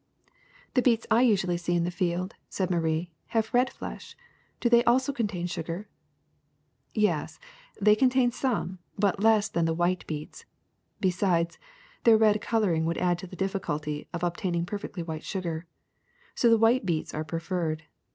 '' ^*The beets I usually see in the field,'' said Marie, have red flesh. Do they also contain sugar?" Yes, they contain some, but less than the white beets. Besides, their red coloring would add to the difficulty of obtaining perfectly white sugar. So the white beets are preferred.